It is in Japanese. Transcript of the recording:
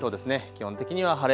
基本的には晴れ。